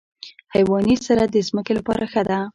حیواني سره د ځمکې لپاره ښه ده.